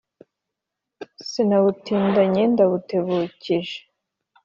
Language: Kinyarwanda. sinabutindanye ndabutebukije.